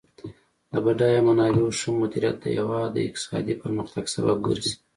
د بډایه منابعو ښه مدیریت د هیواد د اقتصادي پرمختګ سبب ګرځي.